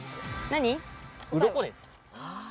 何？